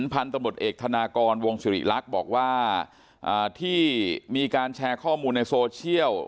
พันธมตเอกธนากรวงศิริรักษ์บอกว่าที่มีการแชร์ข้อมูลในโซเชียล